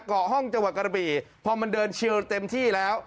เกาะห้องจังหวัดกระบี่พอมันเดินเชียวเต็มที่แล้ว